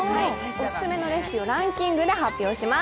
オススメのレシピをランキングを発表します。